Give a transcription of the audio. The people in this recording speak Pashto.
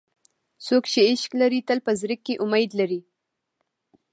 څوک چې عشق لري، تل په زړه کې امید لري.